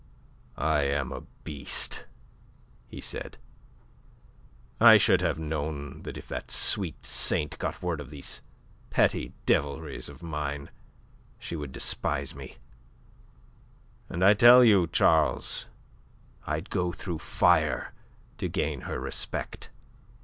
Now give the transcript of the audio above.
"I am a beast!" he said. "I should have known that if that sweet saint got word of these petty devilries of mine she would despise me; and I tell you, Charles, I'd go through fire to regain her respect."